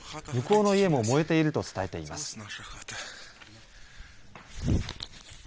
向こうの家も燃えていると伝えています。